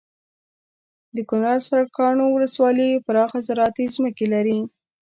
دکنړ سرکاڼو ولسوالي پراخه زراعتي ځمکې لري